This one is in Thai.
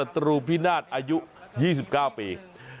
ตรูพินาศอายุ๒๙ปี